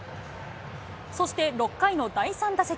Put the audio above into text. そして６回の第３打席。